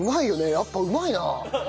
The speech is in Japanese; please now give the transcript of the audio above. やっぱうまいな！